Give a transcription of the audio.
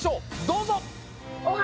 どうぞ！